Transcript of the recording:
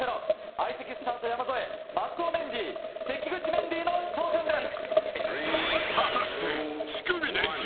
相席スタート・山添松尾メンディー関口メンディーの挑戦です。